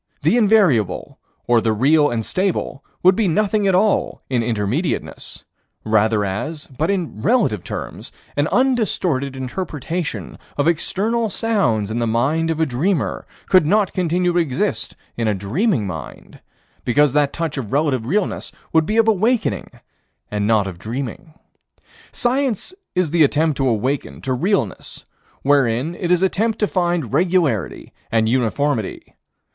The invariable, or the real and stable, would be nothing at all in Intermediateness rather as, but in relative terms, an undistorted interpretation of external sounds in the mind of a dreamer could not continue to exist in a dreaming mind, because that touch of relative realness would be of awakening and not of dreaming. Science is the attempt to awaken to realness, wherein it is attempt to find regularity and uniformity.